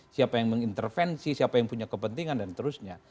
siapa yang mengintervensi siapa yang punya kepentingan dan terusnya